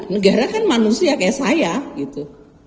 negara kan manusia kayak saya gitu